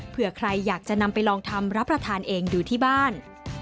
เพื่อใครอยากจะนำไปลองทำรับประทานเองดูที่บ้าน